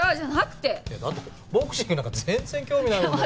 だってボクシングなんか全然興味ないもん僕。